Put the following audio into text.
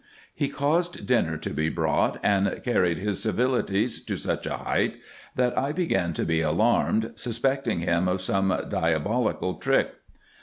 He caused dinner to be brought, and carried his civilities to such a height, that I began to be alarmed, suspecting him of some diabolical trick.